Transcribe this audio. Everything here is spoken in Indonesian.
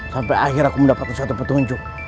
sampai akhir aku mendapatkan suatu petunjuk